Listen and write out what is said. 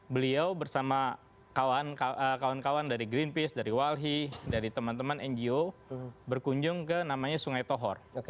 beliau bersama kawan kawan dari greenpeace dari walhi dari teman teman ngo berkunjung ke namanya sungai tohor